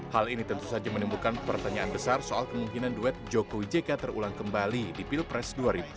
hal ini tentu saja menimbulkan pertanyaan besar soal kemungkinan duet jokowi jk terulang kembali di pilpres dua ribu sembilan belas